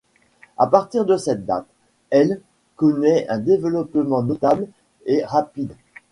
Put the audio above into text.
À partir de cette date, l’ connaît un développement notable et rapide.